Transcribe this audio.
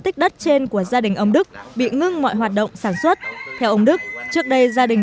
tích trên của gia đình ông đức bị ngưng mọi hoạt động sản xuất theo ông đức trước đây gia đình